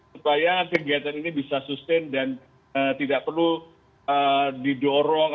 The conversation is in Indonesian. supaya kegiatan ini bisa sustain dan tidak perlu didorong